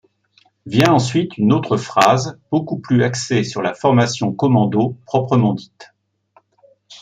Vient ensuite une autre phase beaucoup plus axée sur la formation commando proprement dite.